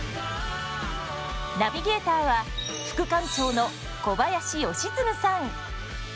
ナビゲーターは副館長の小林快次さん。